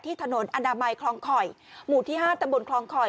ถนนอนามัยคลองคอยหมู่ที่๕ตำบลคลองคอย